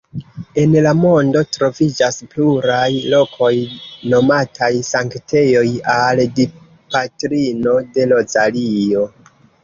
En la mondo troviĝas pluraj lokoj nomataj sanktejoj al Dipatrino de Rozario.